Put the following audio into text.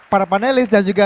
para panelis dan juga